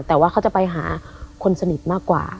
แต่ว่าเขาจะไปหาคนสนิทมากกว่า